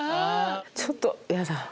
ちょっとやだ。